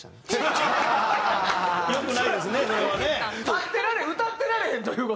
立ってられへん歌ってられへんという事？